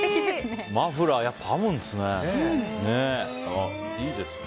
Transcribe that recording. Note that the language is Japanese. マフラー、やっぱり編むんですね。